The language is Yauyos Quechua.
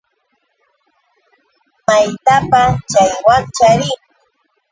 ¿Maytapa chay wakcha rin?